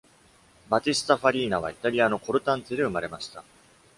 バティスタ・ファリーナはイタリアのコルタンツェで生まれました。